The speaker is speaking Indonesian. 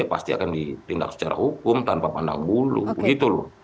pasti akan ditindak secara hukum tanpa pandang bulu begitu loh